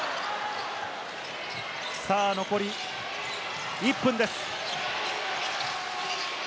残り１分です。